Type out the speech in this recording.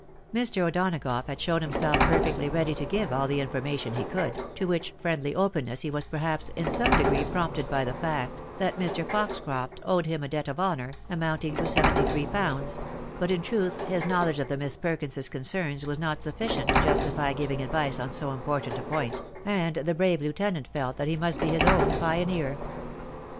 Mr. O'Dona gough had shown himself perfectly ready to give all the infor mation he could, to which friendly openness he was perhaps in some degree prompted by the fact, that Mr. Foxcroft owed him a debt of honour, amounting to seventy three pounds — but in truth, his knowledge of the Miss Perlmises' concerns was not sufficient to justify giving advice on so important a point, and the brave lieutenant felt that he must be his own pioneer.